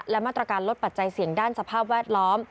และมาตรการลดปัจจัยเสี่ยงด้านสภาพแวดล้อม